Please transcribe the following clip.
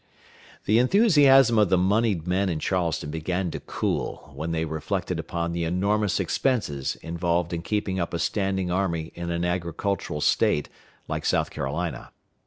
The enthusiasm of the moneyed men in Charleston began to cool when they reflected upon the enormous expenses involved in keeping up a standing army in an agricultural State like South Carolina.